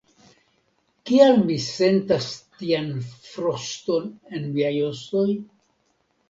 Kial mi sentas tian froston en miaj ostoj?